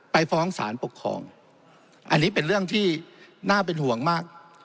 ไปฟ้องสารปกครองอันนี้เป็นเรื่องที่น่าเป็นห่วงมาก